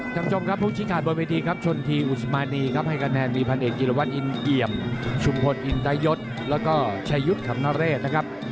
จังจงครับพวกชิคการบนพิธีครับชนทีอุศมานีครับให้กำแหน่งมีพันเอกจีลวัตรอินเกี่ยมชุมพลอินตะยศแล้วก็ชายุทธ์ขำนเรศนะครับ